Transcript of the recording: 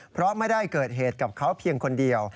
เพราะไม่ได้เกิดเหตุกับเขาเพียงคนเดียว